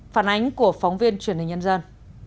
phản ánh của phóng viên truyền hình nhân dân